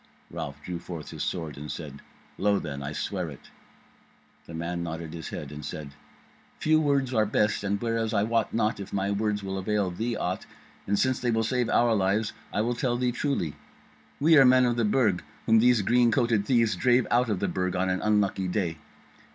Ralph drew forth his sword and said: "Lo then! I swear it." The man nodded his head, and said: "Few words are best; and whereas I wot not if my words will avail thee aught, and since they will save our lives, I will tell thee truly. We are men of the Burg whom these green coated thieves drave out of the Burg on an unlucky day.